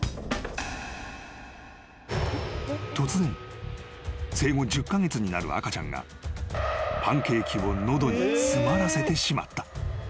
［突然生後１０カ月になる赤ちゃんがパンケーキを喉に詰まらせてしまった］